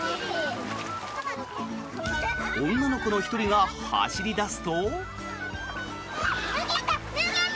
女の子の１人が走り出すと。